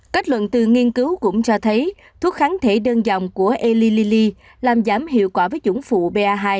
kết luận từ nghiên cứu cũng cho thấy thuốc kháng thể đơn dòng của ili làm giảm hiệu quả với chủng phụ ba hai